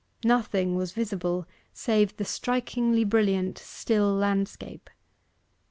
Nothing was visible save the strikingly brilliant, still landscape.